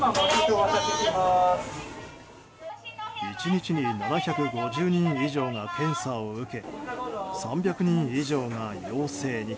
１日に７５０人以上が検査を受け３００人以上が陽性に。